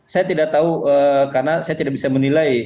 saya tidak tahu karena saya tidak bisa menilai